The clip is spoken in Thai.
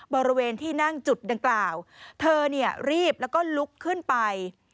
บริเวณที่นั่งจุดดังกล่าวเธอรีบแล้วก็ลุกขึ้นไป